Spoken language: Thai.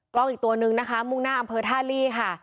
กล้องอีกตัวนึงนะคะมุ่งหน้าอำเภอท่าลี่ค่ะ